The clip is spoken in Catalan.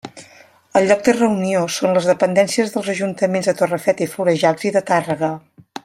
El lloc de reunió són les dependències dels Ajuntaments de Torrefeta i Florejacs i de Tàrrega.